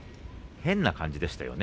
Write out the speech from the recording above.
変な感じでしたよね